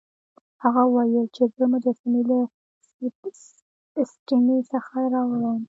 هغه وویل چې زه مجسمې له سټپني څخه راوړم.